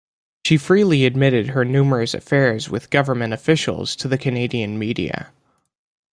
She freely admitted her numerous affairs with government officials to the Canadian media.